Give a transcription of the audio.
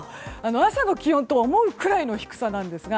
朝の気温と思うくらいの低さなんですが。